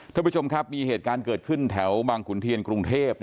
ท่านผู้ชมครับมีเหตุการณ์เกิดขึ้นแถวบางขุนเทียนกรุงเทพ